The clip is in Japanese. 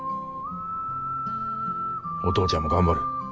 お父ちゃんも頑張る。